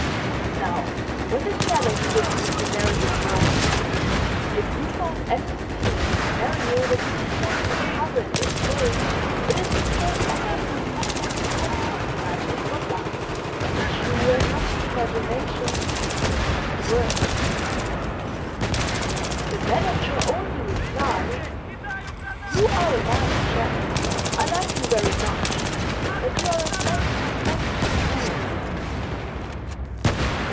Now, when the fellow who did the scenario wrote: 'If you found anything in the scenario that you did not discover in the play, it is because I gave you the effect it would have behind the footlights, which you have not the imagination to see in the printed words,' the Manager only replied 'You are a nice chap. I like you very much, but you are a blanketty blanketty fool.'"